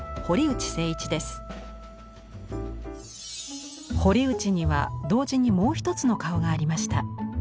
堀内には同時にもう一つの顔がありました。